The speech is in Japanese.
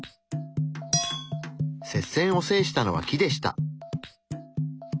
接戦を制したのは木でした。